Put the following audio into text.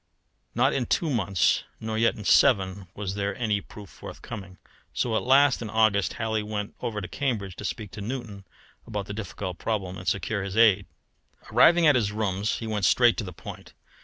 Not in two months, nor yet in seven, was there any proof forthcoming. So at last, in August, Halley went over to Cambridge to speak to Newton about the difficult problem and secure his aid. Arriving at his rooms he went straight to the point.